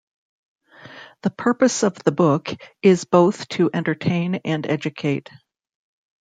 The purpose of the book is both to entertain and educate.